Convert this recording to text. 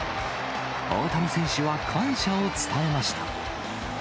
大谷選手は感謝を伝えました。